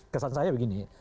kesan saya begini